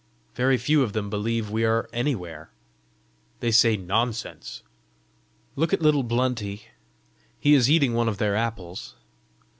Very few of them believe we are anywhere. They say NONSENSE! Look at little Blunty: he is eating one of their apples!